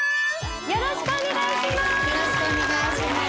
よろしくお願いします